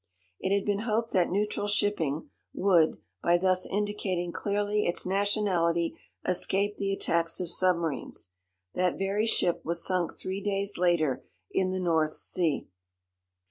It had been hoped that neutral shipping would, by thus indicating clearly its nationality, escape the attacks of submarines. That very ship was sunk three days later in the North Sea.